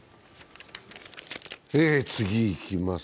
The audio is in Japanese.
次にいきます。